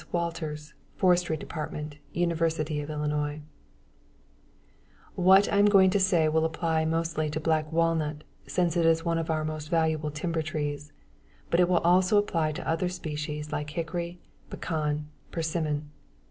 WALTERS, Forestry Department, University of Illinois What I am going to say will apply mostly to black walnut since it is one of our most valuable timber trees, but it also will apply to other species like hickory, pecan, persimmon.